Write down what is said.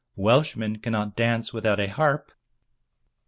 "Welshmen cannot dance without a harp."